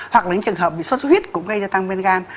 hoặc là những trường hợp bị sốt huyết cũng gây ra tăng men gan